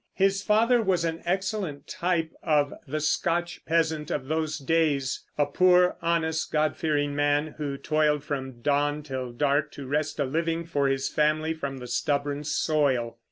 His father was an excellent type of the Scotch peasant of those days, a poor, honest, God fearing man, who toiled from dawn till dark to wrest a living for his family from the stubborn soil.